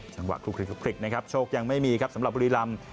จังหวะคลุกนะครับโชคยังไม่มีครับสำหรับบุรีราม